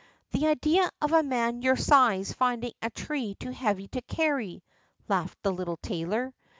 "The idea of a man your size finding a tree too heavy to carry!" laughed the little tailor.